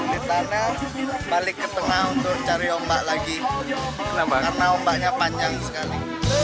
kesulitannya balik ke tengah untuk cari ombak lagi karena ombaknya panjang sekali